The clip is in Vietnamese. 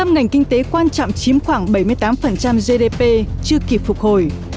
một mươi năm ngành kinh tế quan trọng chiếm khoảng bảy mươi tám gdp chưa kịp phục hồi